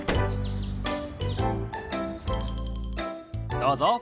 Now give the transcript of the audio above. どうぞ。